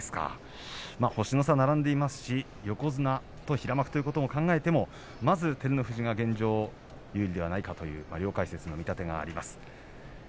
星の差並んでいますし横綱と平幕ということを考えてもまず照ノ富士が現状有利ではないかという両解説の見立てはあります。